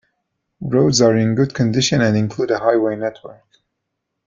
Roads are in good condition and include a highway network.